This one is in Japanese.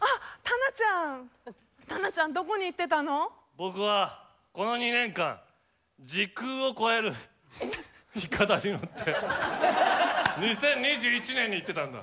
僕はこの２年間時空を超えるいかだに乗って２０２１年に行ってたんだ。